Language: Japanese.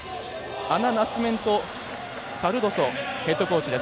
ナシメントカルドソヘッドコーチです。